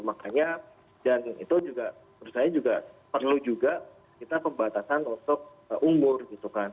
makanya dan itu juga menurut saya juga perlu juga kita pembatasan untuk umur gitu kan